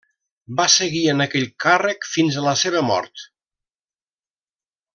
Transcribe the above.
Va seguir en aquell càrrec fins a la seva mort.